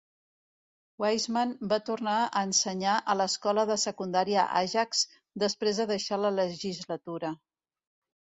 Wiseman va tornar a ensenyar a l'escola de secundària Ajax després de deixar la legislatura.